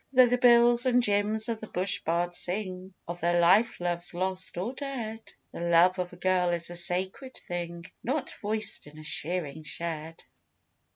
Though the Bills and Jims of the bush bard sing Of their life loves, lost or dead, The love of a girl is a sacred thing Not voiced in a shearing shed.